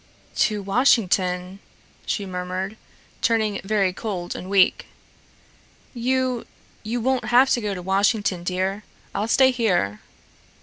"To Washington?" she murmured, turning very cold and weak. "You you won't have to go to Washington, dear; I'll stay here."